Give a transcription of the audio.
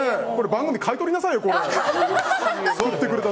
番組買い取りなさいよ、これ！